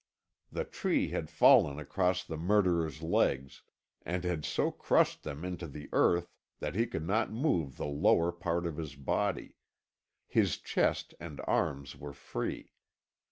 The tree had fallen across the murderer's legs, and had so crushed them into the earth that he could not move the lower part of his body; his chest and arms were free.